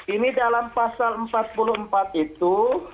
ini dalam pasal empat puluh empat itu